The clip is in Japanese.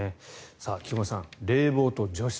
菊間さん、冷房と除湿。